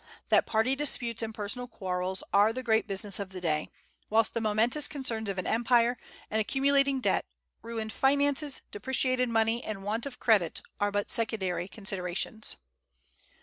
that party disputes and personal quarrels are the great business of the day; whilst the momentous concerns of an empire, an accumulating debt, ruined finances, depreciated money, and want of credit ... are but secondary considerations."